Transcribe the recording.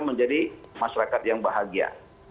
menjadi masyarakat yang bahagia